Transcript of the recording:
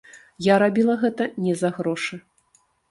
Я рабіла гэта не за грошы.